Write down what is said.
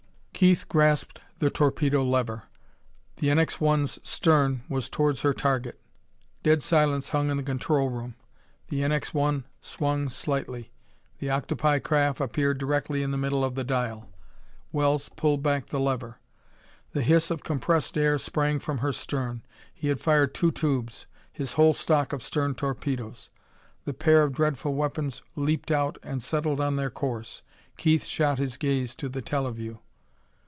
Keith grasped the torpedo lever. The NX 1's stern was towards her target. Dead silence hung in the control room. The NX 1 swung slightly. The octopi craft appeared directly in the middle of the dial. Wells pulled back the lever. The hiss of compressed air sprang from her stern. He had fired two tubes, his whole stock of stern torpedoes. The pair of dreadful weapons leaped out and settled on their course. Keith shot his gaze to the teleview.